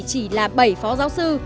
chỉ là bảy phó giáo sư